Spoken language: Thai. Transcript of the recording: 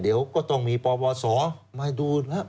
เดี๋ยวก็ต้องมีปบสมาดูละ